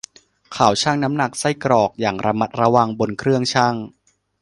เขาชั่งน้ำหนักไส้กรอกอย่างระมัดระวังบนเครื่องชั่ง